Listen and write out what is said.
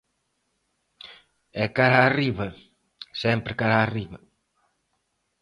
E cara a arriba, sempre cara a arriba.